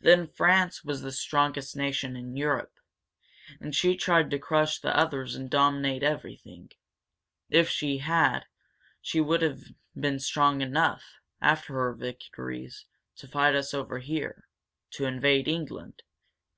Then France was the strongest nation in Europe. And she tried to crush the others and dominate everything. If she had, she would have been strong enough, after her victories, to fight us over here to invade England.